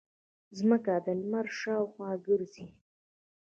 ځمکه د لمر شاوخوا ګرځي